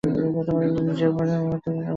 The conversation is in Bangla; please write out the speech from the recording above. নিজের মনও কি সবাই জানে।